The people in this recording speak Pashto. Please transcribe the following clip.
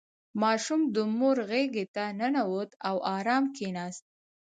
• ماشوم د مور غېږې ته ننوت او آرام کښېناست.